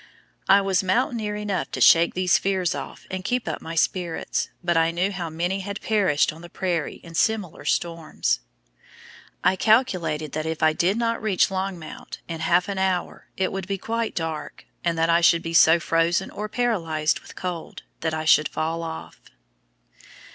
I was mountaineer enough to shake these fears off and keep up my spirits, but I knew how many had perished on the prairie in similar storms. I calculated that if I did not reach Longmount in half an hour it would be quite dark, and that I should be so frozen or paralyzed with cold that I should fall off.